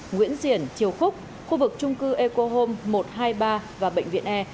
nguyễn diển triều khúc khu vực trung cư eco home một trăm hai mươi ba và bệnh viện e